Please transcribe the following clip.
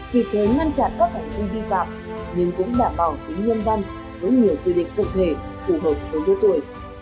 vì thế ngăn chặn các hành vi vi phạm nhưng cũng đảm bảo tính nhân văn với nhiều quy định cụ thể phù hợp đối với tuổi